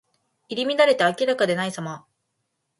入り乱れて明らかでないさま。